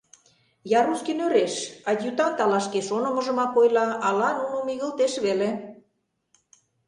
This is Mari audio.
Ярускин ӧреш: адъютант ала шке шонымыжымак ойла, ала нуным игылтеш веле...